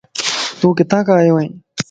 تون ڪٿي کان آيو وئين ؟